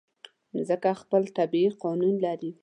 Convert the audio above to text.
مځکه خپل طبیعي قانون لري.